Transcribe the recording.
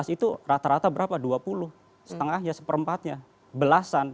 itu rata rata berapa dua puluh setengahnya seperempatnya belasan